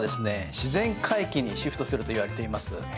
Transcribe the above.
自然回帰にシフトするといわれています。